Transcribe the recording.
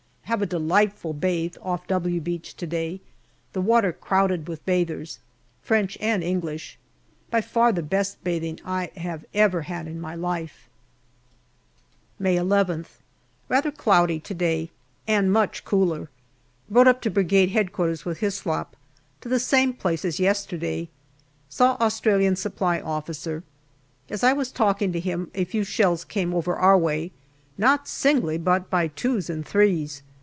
Have a delightful bathe off " W " Beach to day ; the water crowded with bathers, French and English. By far the best bathing I have ever had in my life. 80 GALLIPOLI DIARY May Ilth. Rather cloudy to day, and much cooler. Rode up to Brigade H.Q. with Hyslop, to the same place as yesterday. Saw Australian Supply Officer. As I was talking to him. a few shells came over our way not singly, but by twos and threes.